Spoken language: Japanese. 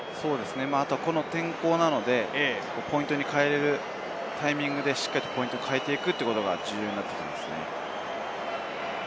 あとは、この天候なので、ポイントを変えるタイミングで変えていくことが重要になってきますね。